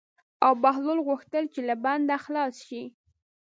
او بهلول غوښتل چې له بنده خلاص شي.